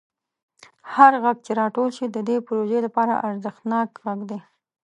هر غږ چې راټول شي د دې پروژې لپاره ارزښتناک دی.